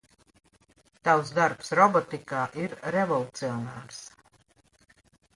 Tavs darbs robotikā ir revolucionārs.